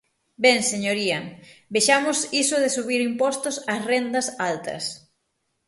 Ben, señoría, vexamos iso de subir impostos ás rendas altas.